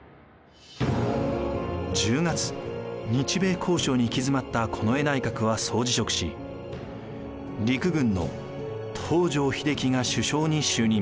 １０月日米交渉に行き詰まった近衛内閣は総辞職し陸軍の東条英機が首相に就任。